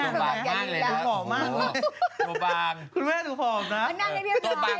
สูงความมาก